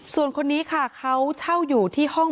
ส่วนคนนี้ค่ะเขาเช่าอยู่ที่ห้อง